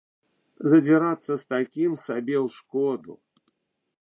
Задзірацца з такім сабе ў шкоду.